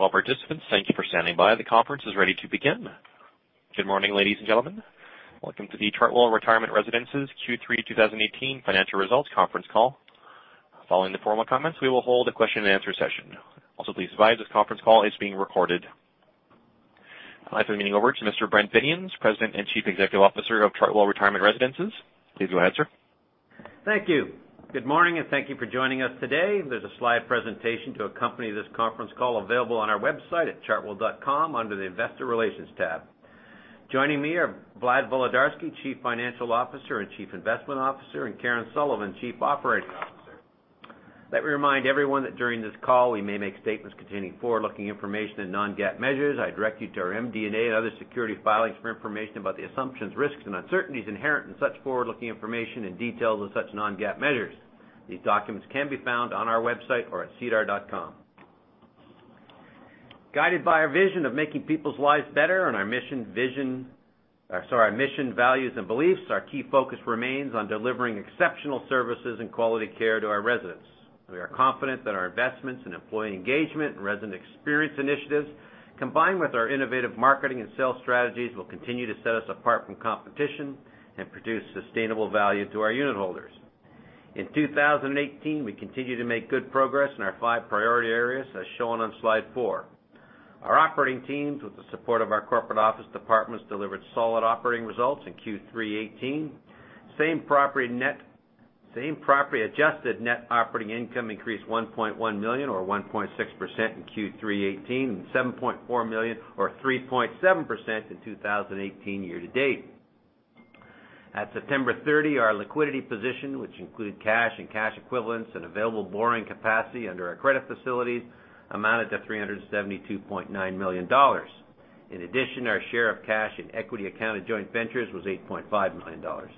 To all participants, thank you for standing by. The conference is ready to begin. Good morning, ladies and gentlemen. Welcome to the Chartwell Retirement Residences Q3 2018 financial results conference call. Following the formal comments, we will hold a question and answer session. Also, please be advised, this conference call is being recorded. I'll turn the meeting over to Mr. Brent Binions, President and Chief Executive Officer of Chartwell Retirement Residences. Please go ahead, sir. Thank you. Good morning, and thank you for joining us today. There's a slide presentation to accompany this conference call available on our website at chartwell.com under the Investor Relations tab. Joining me are Vlad Volodarski, Chief Financial Officer and Chief Investment Officer, and Karen Sullivan, Chief Operating Officer. Let me remind everyone that during this call, we may make statements containing forward-looking information and non-GAAP measures. I direct you to our MD&A and other securities filings for information about the assumptions, risks, and uncertainties inherent in such forward-looking information and details of such non-GAAP measures. These documents can be found on our website or at sedar.com. Guided by our vision of making people's lives better and our mission, values, and beliefs, our key focus remains on delivering exceptional services and quality care to our residents. We are confident that our investments in employee engagement and resident experience initiatives, combined with our innovative marketing and sales strategies, will continue to set us apart from competition and produce sustainable value to our unit holders. In 2018, we continued to make good progress in our five priority areas, as shown on slide four. Our operating teams, with the support of our corporate office departments, delivered solid operating results in Q3 2018. Same-property adjusted net operating income increased 1.1 million or 1.6% in Q3 2018, and 7.4 million or 3.7% in 2018 year to date. At September 30, our liquidity position, which include cash and cash equivalents and available borrowing capacity under our credit facilities, amounted to 372.9 million dollars. In addition, our share of cash and equity accounted joint ventures was 8.5 million dollars.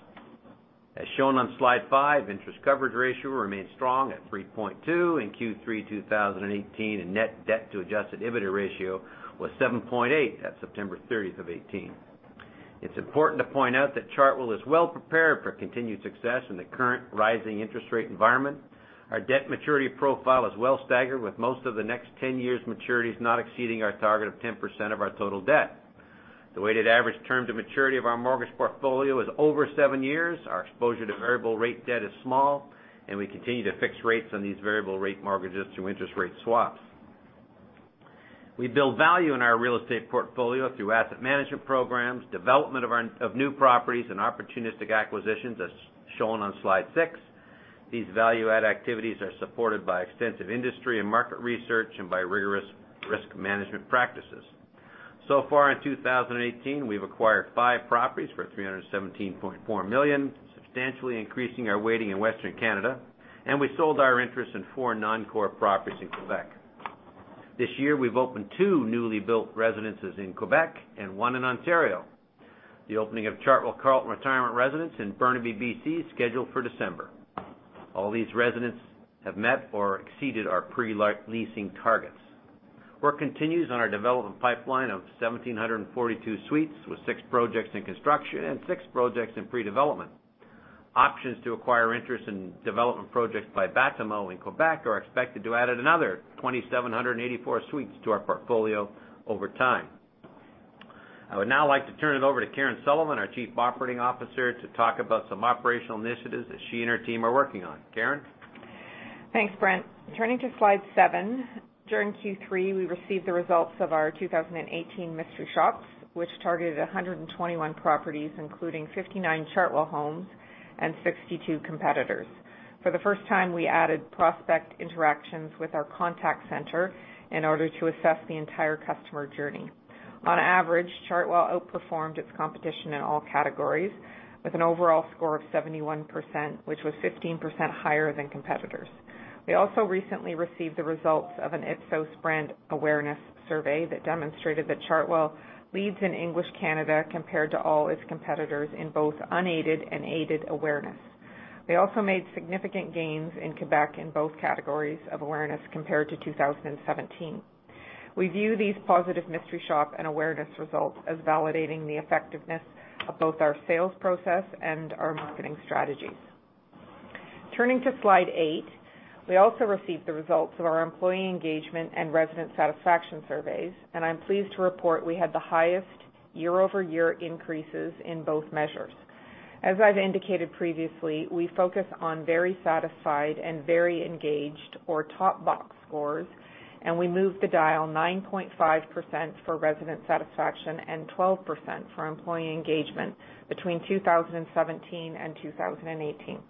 As shown on slide five, interest coverage ratio remained strong at 3.2% in Q3 2018, and net debt to EBITDA ratio was 7.8% at September 30, 2018. It's important to point out that Chartwell is well prepared for continued success in the current rising interest rate environment. Our debt maturity profile is well staggered, with most of the next 10 years' maturities not exceeding our target of 10% of our total debt. The weighted average term to maturity of our mortgage portfolio is over seven years. Our exposure to variable rate debt is small, and we continue to fix rates on these variable rate mortgages through interest rate swaps. We build value in our real estate portfolio through asset management programs, development of new properties, and opportunistic acquisitions, as shown on slide six. These value-add activities are supported by extensive industry and market research and by rigorous risk management practices. So far in 2018, we've acquired five properties for 317.4 million, substantially increasing our weighting in Western Canada, and we sold our interest in four non-core properties in Quebec. This year, we've opened two newly built residences in Quebec and one in Ontario. The opening of Chartwell Carlton Retirement Residence in Burnaby, B.C., is scheduled for December. All these residents have met or exceeded our pre-leasing targets. Work continues on our development pipeline of 1,742 suites, with six projects in construction and six projects in pre-development. Options to acquire interest in development projects by Batimo in Quebec are expected to add another 2,784 suites to our portfolio over time. I would now like to turn it over to Karen Sullivan, our Chief Operating Officer, to talk about some operational initiatives that she and her team are working on. Karen? Thanks, Brent. Turning to slide seven. During Q3, we received the results of our 2018 mystery shops, which targeted 121 properties, including 59 Chartwell homes and 62 competitors. For the first time, we added prospect interactions with our contact center in order to assess the entire customer journey. On average, Chartwell outperformed its competition in all categories with an overall score of 71%, which was 15% higher than competitors. We also recently received the results of an Ipsos brand awareness survey that demonstrated that Chartwell leads in English Canada compared to all its competitors in both unaided and aided awareness. We also made significant gains in Quebec in both categories of awareness compared to 2017. We view these positive mystery shop and awareness results as validating the effectiveness of both our sales process and our marketing strategies. Turning to slide eight. We also received the results of our employee engagement and resident satisfaction surveys, and I'm pleased to report we had the highest year-over-year increases in both measures. As I've indicated previously, we focus on very satisfied and very engaged or top box scores, and we moved the dial 9.5% for resident satisfaction and 12% for employee engagement between 2017 and 2018.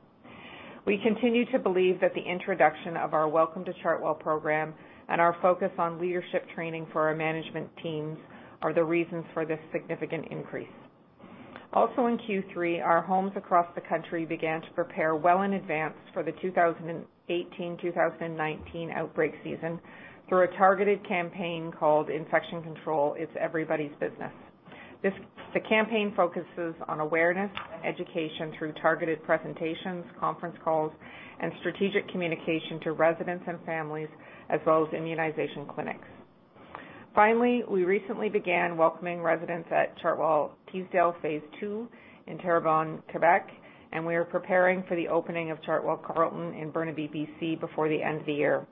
We continue to believe that the introduction of our Welcome to Chartwell program and our focus on leadership training for our management teams are the reasons for this significant increase. Also in Q3, our homes across the country began to prepare well in advance for the 2018-2019 outbreak season through a targeted campaign called Infection Control: It's business. The campaign focuses on awareness, education through targeted presentations, conference calls, and strategic communication to residents and families, as well as immunization clinics. Finally, we recently began welcoming residents at Chartwell Teasdale, phase II in Terrebonne, Quebec, and we are preparing for the opening of Chartwell Carlton in Burnaby, B.C. before the end of the year.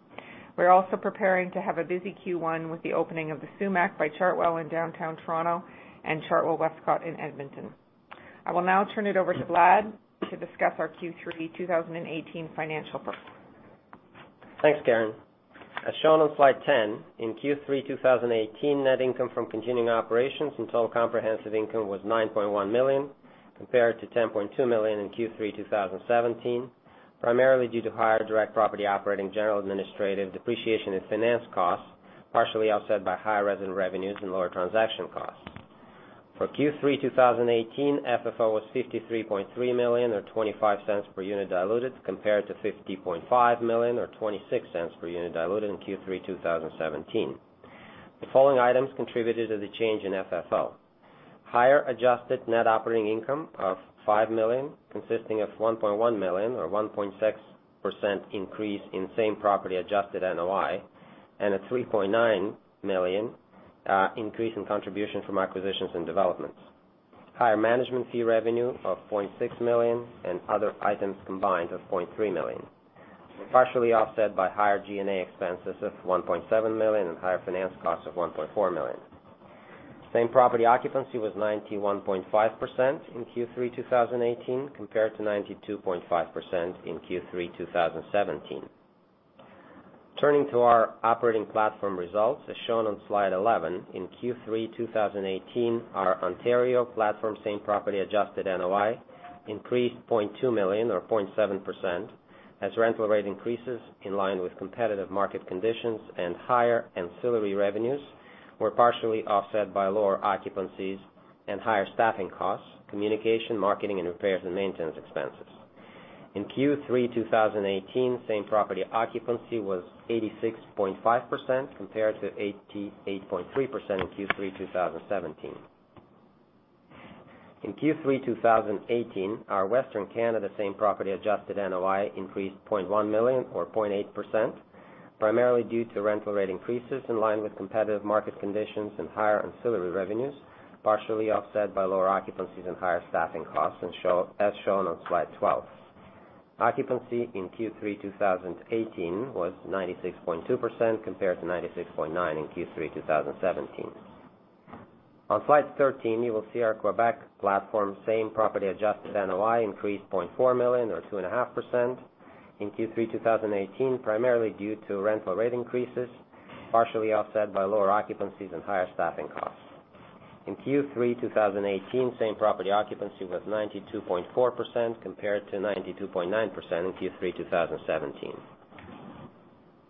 We are also preparing to have a busy Q1 with the opening of The Sumach by Chartwell in downtown Toronto and Chartwell Wescott in Edmonton. I will now turn it over to Vlad to discuss our Q3 2018 financial performance. Thanks, Karen. As shown on slide 10, in Q3 2018, net income from continuing operations and total comprehensive income was 9.1 million, compared to 10.2 million in Q3 2017, primarily due to higher direct property operating general administrative depreciation and finance costs, partially offset by higher resident revenues and lower transaction costs. For Q3 2018, FFO was 53.3 million, or 0.25 per unit diluted, compared to 50.5 million or 0.26 per unit diluted in Q3 2017. The following items contributed to the change in FFO. Higher adjusted net operating income of 5 million, consisting of 1.1 million, or 1.6% increase in same-property adjusted NOI, and a 3.9 million increase in contribution from acquisitions and developments. Higher management fee revenue of 0.6 million and other items combined of 0.3 million, partially offset by higher G&A expenses of 1.7 million and higher finance costs of 1.4 million. Same property occupancy was 91.5% in Q3 2018, compared to 92.5% in Q3 2017. Turning to our operating platform results, as shown on slide 11, in Q3 2018, our Ontario platform same property adjusted NOI increased 0.2 million or 0.7%, as rental rate increases in line with competitive market conditions and higher ancillary revenues were partially offset by lower occupancies and higher staffing costs, communication, marketing, and repairs and maintenance expenses. In Q3 2018, same property occupancy was 86.5%, compared to 88.3% in Q3 2017. In Q3 2018, our Western Canada same property adjusted NOI increased 0.1 million or 0.8%, primarily due to rental rate increases in line with competitive market conditions and higher ancillary revenues, partially offset by lower occupancies and higher staffing costs as shown on slide 12. Occupancy in Q3 2018 was 96.2%, compared to 96.9% in Q3 2017. On slide 13, you will see our Quebec platform same property adjusted NOI increased 0.4 million or 2.5% in Q3 2018, primarily due to rental rate increases, partially offset by lower occupancies and higher staffing costs. In Q3 2018, same property occupancy was 92.4%, compared to 92.9% in Q3 2017.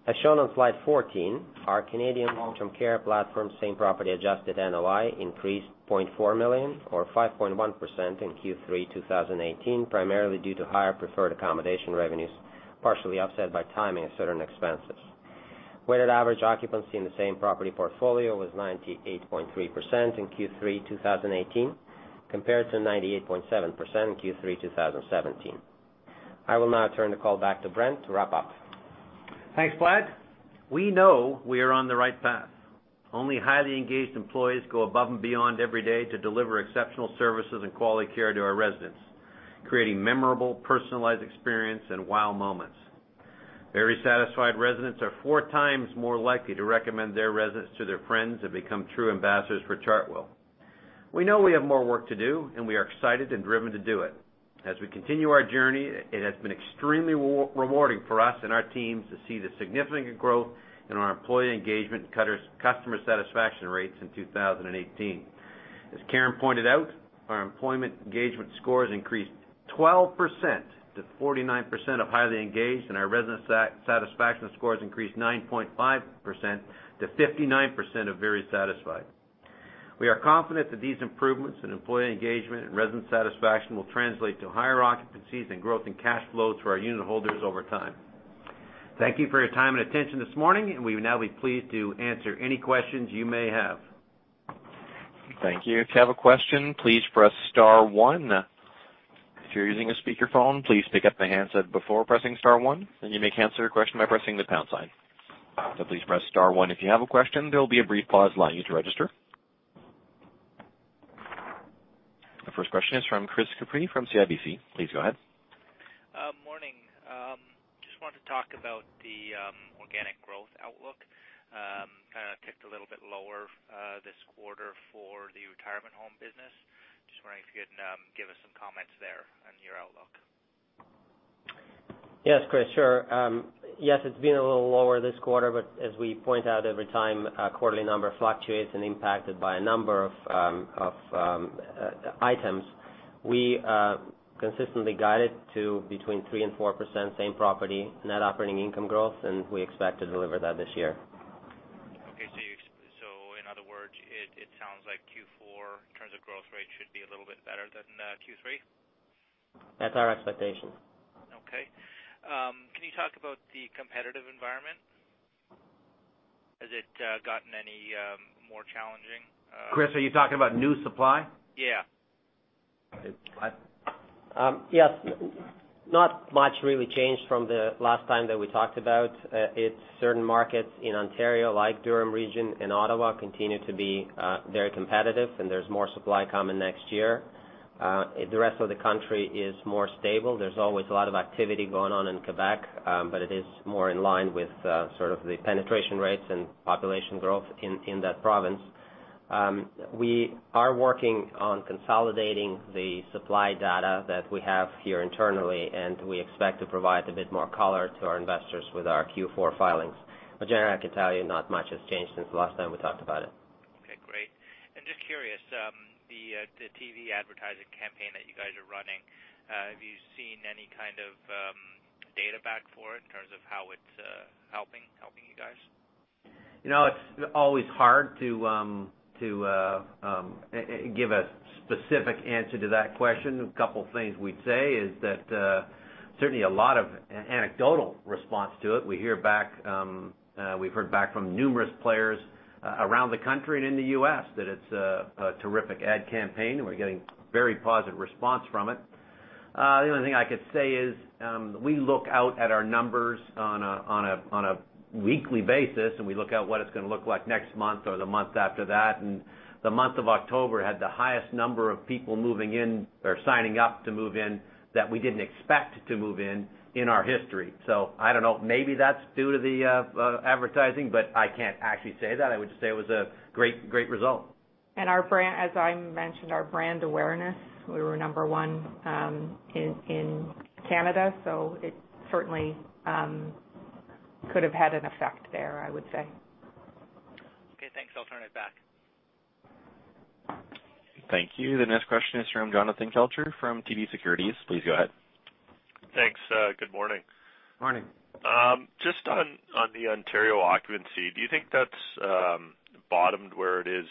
As shown on slide 14, our Canadian long-term care platform same property adjusted NOI increased 0.4 million or 5.1% in Q3 2018, primarily due to higher preferred accommodation revenues, partially offset by timing of certain expenses. Weighted average occupancy in the same property portfolio was 98.3% in Q3 2018, compared to 98.7% in Q3 2017. I will now turn the call back to Brent to wrap up. Thanks, Vlad. We know we are on the right path. Only highly engaged employees go above and beyond every day to deliver exceptional services and quality care to our residents, creating memorable, personalized experience and wow moments. Very satisfied residents are four times more likely to recommend their residence to their friends and become true ambassadors for Chartwell. We know we have more work to do, and we are excited and driven to do it. As we continue our journey, it has been extremely rewarding for us and our teams to see the significant growth in our employee engagement customer satisfaction rates in 2018. As Karen pointed out, our employee engagement scores increased 12% to 49% of highly engaged, and our resident satisfaction scores increased 9.5% to 59% of very satisfied. We are confident that these improvements in employee engagement and resident satisfaction will translate to higher occupancies and growth in cash flows for our unitholders over time. Thank you for your time and attention this morning, and we will now be pleased to answer any questions you may have. Thank you. If you have a question, please press star one. If you're using a speakerphone, please pick up the handset before pressing star one. You may cancel your question by pressing the pound sign. Please press star one if you have a question. There will be a brief pause allowing you to register. The first question is from Chris Couprie from CIBC. Please go ahead. Morning. Just wanted to talk about the organic growth outlook. It ticked a little bit lower this quarter for the retirement home business. Just wondering if you'd give us some comments there on your outlook. Yes, Chris. Sure. Yes, it's been a little lower this quarter, but as we point out every time, quarterly number fluctuates and impacted by a number of items. We consistently guided to between 3% and 4% same property net operating income growth, and we expect to deliver that this year. Okay. In other words, it sounds like Q4 in terms of growth rate should be a little bit better than Q3? That's our expectation. Okay. Can you talk about the competitive environment? Has it gotten any more challenging? Chris, are you talking about new supply? Yeah. Yes. Not much really changed from the last time that we talked about. Its certain markets in Ontario, like Durham Region and Ottawa, continue to be very competitive, and there's more supply coming next year. The rest of the country is more stable. There's always a lot of activity going on in Quebec, but it is more in line with the penetration rates and population growth in that province. We are working on consolidating the supply data that we have here internally, and we expect to provide a bit more color to our investors with our Q4 filings. Generally, I can tell you not much has changed since the last time we talked about it. Okay, great. Just curious, the TV advertising campaign that you guys are running, have you seen any kind of data back for it in terms of how it's helping you guys? It's always hard to give a specific answer to that question. A couple of things we'd say is that certainly a lot of anecdotal response to it. We've heard back from numerous players around the country and in the U.S. that it's a terrific ad campaign, and we're getting very positive response from it. The only thing I could say is we look out at our numbers on a weekly basis, and we look at what it's going to look like next month or the month after that. The month of October had the highest number of people moving in or signing up to move in that we didn't expect to move in our history. I don't know, maybe that's due to the advertising, but I can't actually say that. I would just say it was a great result. As I mentioned, our brand awareness, we were number one in Canada, so it certainly could have had an effect there, I would say. Okay, thanks. I'll turn it back. Thank you. The next question is from Jonathan Kelcher from TD Securities. Please go ahead. Thanks. Good morning. Morning. Just on the Ontario occupancy, do you think that's bottomed where it is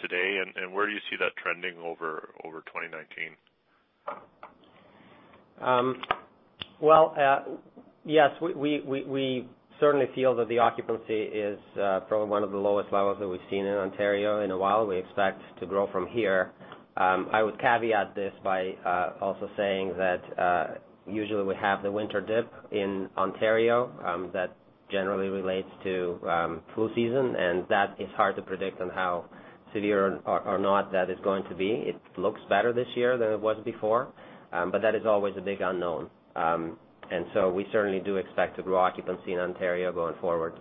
today? Where do you see that trending over 2019? Well, yes, we certainly feel that the occupancy is probably one of the lowest levels that we've seen in Ontario in a while. We expect to grow from here. I would caveat this by also saying that usually we have the winter dip in Ontario that generally relates to flu season, that is hard to predict on how severe or not that is going to be. It looks better this year than it was before. That is always a big unknown. So we certainly do expect to grow occupancy in Ontario going forward.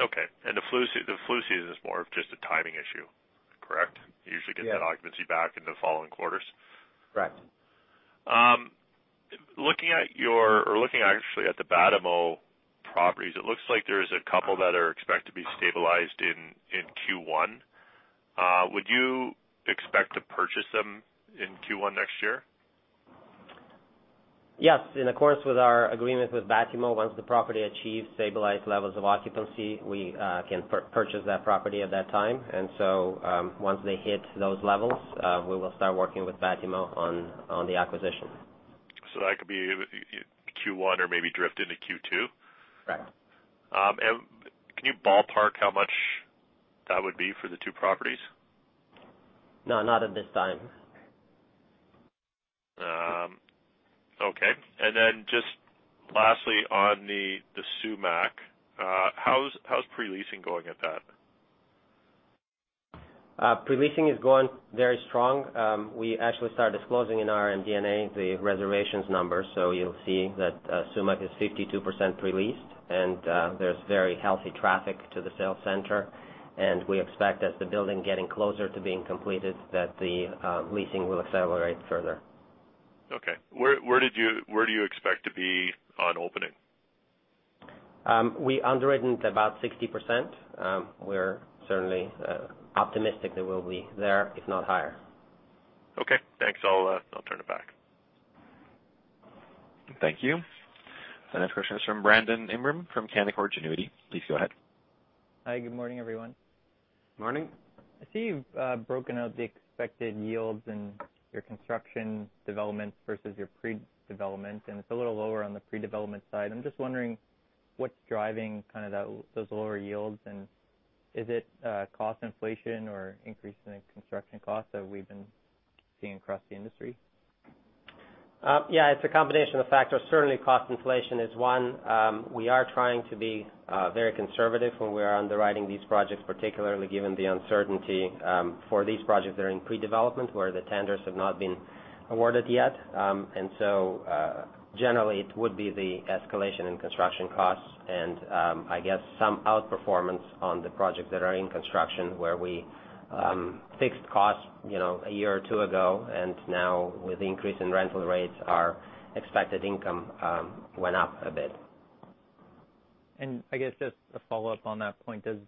Okay. The flu season is more of just a timing issue, correct? Yes. You usually get that occupancy back in the following quarters. Correct. Looking actually at the Batimo properties, it looks like there is a couple that are expected to be stabilized in Q1. Would you expect to purchase them in Q1 next year? Yes. In accordance with our agreement with Batimo, once the property achieves stabilized levels of occupancy, we can purchase that property at that time. Once they hit those levels, we will start working with Batimo on the acquisition. That could be Q1 or maybe drift into Q2? Right. Can you ballpark how much that would be for the two properties? No, not at this time. Okay. Then just lastly on The Sumach, how's pre-leasing going at that? Pre-leasing is going very strong. We actually started disclosing in our MD&A the reservations numbers. You'll see that The Sumach is 52% pre-leased, there's very healthy traffic to the sales center, and we expect as the building getting closer to being completed, that the leasing will accelerate further. Okay. Where do you expect to be on opening? We underwritten about 60%. We're certainly optimistic that we'll be there, if not higher. Okay, thanks. I'll turn it back. Thank you. The next question is from Brendon Abrams from Canaccord Genuity. Please go ahead. Hi, good morning, everyone. Morning. I see you've broken out the expected yields in your construction development versus your pre-development. It's a little lower on the pre-development side. I'm just wondering what's driving those lower yields, is it cost inflation or increase in construction costs that we've been seeing across the industry? It's a combination of factors. Certainly, cost inflation is one. We are trying to be very conservative when we are underwriting these projects, particularly given the uncertainty for these projects that are in pre-development where the tenders have not been awarded yet. Generally, it would be the escalation in construction costs and, I guess, some outperformance on the projects that are in construction where we fixed costs a year or two ago. Now with the increase in rental rates, our expected income went up a bit. I guess just a follow-up on that point. Does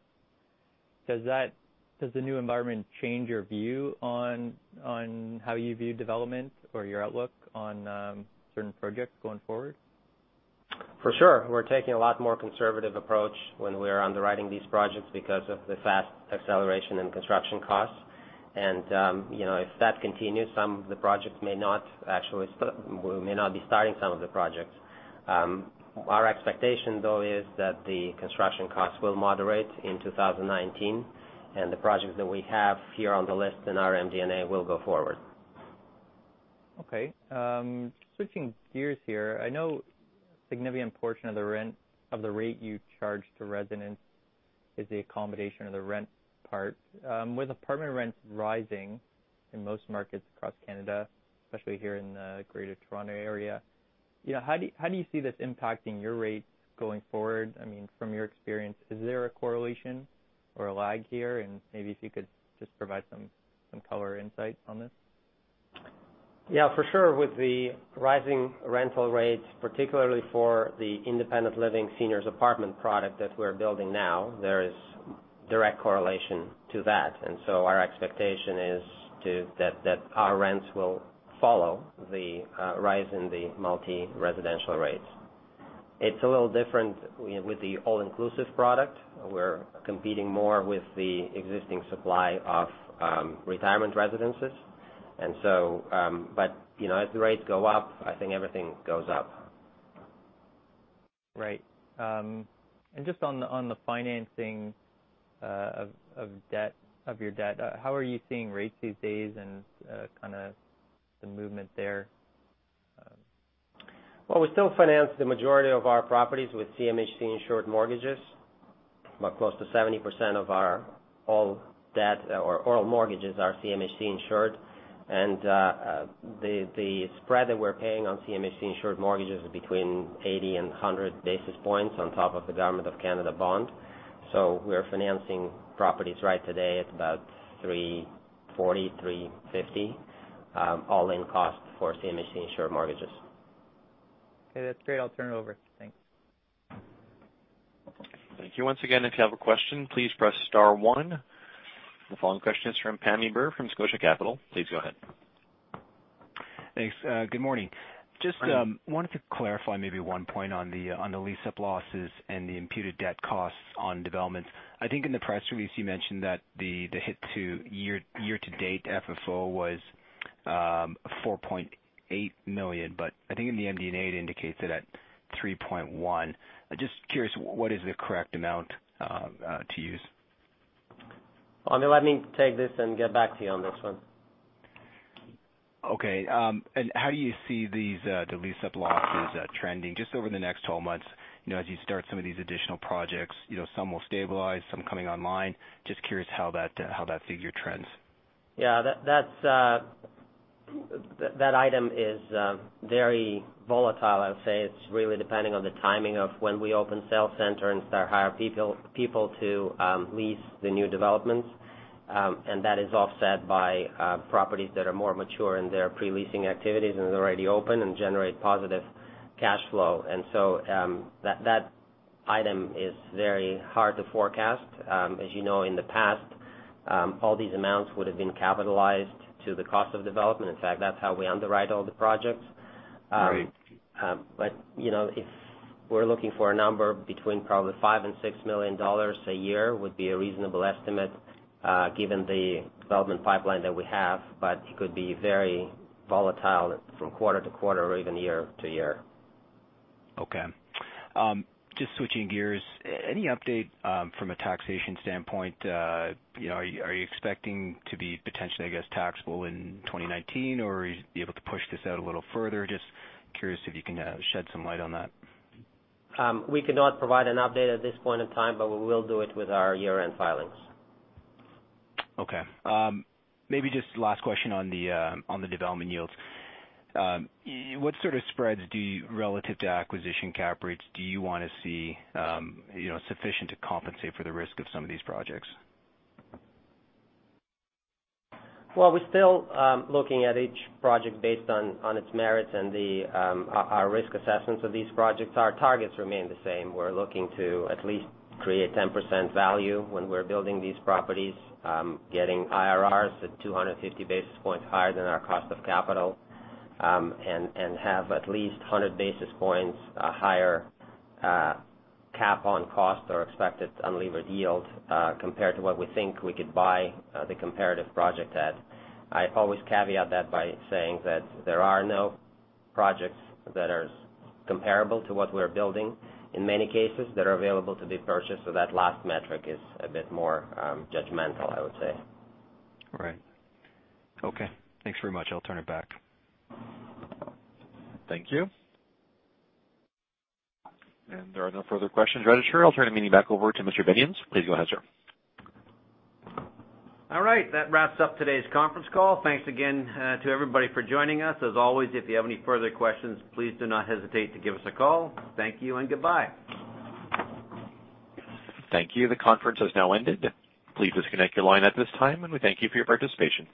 the new environment change your view on how you view development or your outlook on certain projects going forward? For sure. We're taking a lot more conservative approach when we're underwriting these projects because of the fast acceleration in construction costs. If that continues, we may not be starting some of the projects. Our expectation though is that the construction costs will moderate in 2019, and the projects that we have here on the list in our MD&A will go forward. Okay. Switching gears here, I know a significant portion of the rate you charge to residents is the accommodation of the rent part. With apartment rents rising in most markets across Canada, especially here in the Greater Toronto Area, how do you see this impacting your rates going forward? From your experience, is there a correlation or a lag here? Maybe if you could just provide some color insight on this. Yeah, for sure. With the rising rental rates, particularly for the independent living seniors apartment product that we're building now, there is direct correlation to that. Our expectation is that our rents will follow the rise in the multi-residential rates. It's a little different with the all-inclusive product. We're competing more with the existing supply of retirement residences. As the rates go up, I think everything goes up. Right. Just on the financing of your debt, how are you seeing rates these days and the movement there? Well, we still finance the majority of our properties with CMHC-insured mortgages. Close to 70% of all our mortgages are CMHC-insured. The spread that we're paying on CMHC-insured mortgages is between 80 basis points and 100 basis points on top of the Government of Canada bond. We are financing properties right today at about 340, 350 all-in cost for CMHC-insured mortgages. Okay, that's great. I'll turn it over. Thanks. Thank you. Once again, if you have a question, please press star one. The following question is from Pammi Bir from RBC Capital Markets. Please go ahead. Thanks. Good morning. Morning. Just wanted to clarify maybe one point on the lease-up losses and the imputed debt costs on developments. I think in the press release, you mentioned that the hit to year-to-date FFO was 4.8 million, but I think in the MD&A, it indicates it at 3.1 million. Just curious, what is the correct amount to use? Pam, let me take this and get back to you on this one. Okay. How do you see these lease-up losses trending just over the next 12 months, as you start some of these additional projects, some will stabilize, some coming online. Just curious how that figure trends. Yeah. That item is very volatile, I would say. It's really depending on the timing of when we open sales center and start hire people to lease the new developments. That is offset by properties that are more mature in their pre-leasing activities and is already open and generate positive cash flow. That item is very hard to forecast. As you know, in the past, all these amounts would have been capitalized to the cost of development. In fact, that's how we underwrite all the projects. Right. If we're looking for a number between probably 5 million and 6 million dollars a year would be a reasonable estimate, given the development pipeline that we have, but it could be very volatile from quarter-to-quarter or even year-to-year. Okay. Just switching gears. Any update from a taxation standpoint? Are you expecting to be potentially, I guess, taxable in 2019, or are you able to push this out a little further? Just curious if you can shed some light on that. We cannot provide an update at this point in time, but we will do it with our year-end filings. Okay. Maybe just last question on the development yields. What sort of spreads relative to acquisition cap rates do you want to see sufficient to compensate for the risk of some of these projects? Well, we're still looking at each project based on its merits and our risk assessments of these projects. Our targets remain the same. We're looking to at least create 10% value when we're building these properties, getting IRR at 250 basis points higher than our cost of capital, and have at least 100 basis points higher cap on cost or expected unlevered yield compared to what we think we could buy the comparative project at. I always caveat that by saying that there are no projects that are comparable to what we're building, in many cases, that are available to be purchased. That last metric is a bit more judgmental, I would say. Right. Okay. Thanks very much. I'll turn it back. Thank you. There are no further questions registered. I'll turn the meeting back over to Mr. Binions. Please go ahead, sir. All right. That wraps up today's conference call. Thanks again to everybody for joining us. As always, if you have any further questions, please do not hesitate to give us a call. Thank you and goodbye. Thank you. The conference has now ended. Please disconnect your line at this time, and we thank you for your participation.